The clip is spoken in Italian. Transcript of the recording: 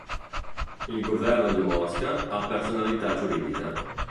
Il governo di Mosca ha personalità giuridica.